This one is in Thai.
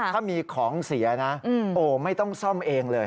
ถ้ามีของเสียนะโอ้ไม่ต้องซ่อมเองเลย